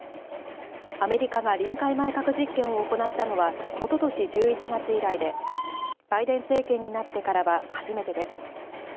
アメリカが臨界前核実験を行ったのはおととし１１月以来でバイデン政権になってからは初めてです。